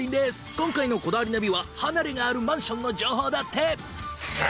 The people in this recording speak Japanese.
今回の『こだわりナビ』は「離れ」があるマンションの情報だって。